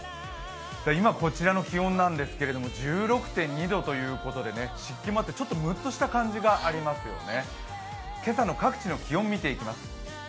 今、こちらの気温なんですけど１６．２度ということで湿気もあって、ちょっとムッとした感じがありますよね。